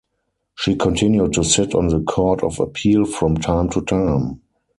She continued to sit on the Court of Appeal from time to time.